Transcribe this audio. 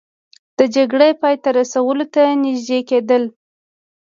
د جګړې پای ته رسولو ته نژدې کیدل